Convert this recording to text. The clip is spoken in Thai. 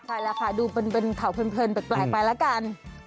ใช่แล้วค่ะดูเป็นข่าวเพลินแปลกไปแล้วกัน